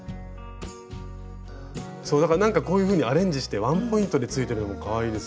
そうだからこういうふうにアレンジしてワンポイントについててもかわいいですよね。ですね。